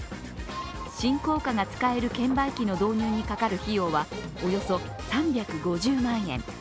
新硬貨が使える券売機の導入にかかる費用は、およそ３５０万円。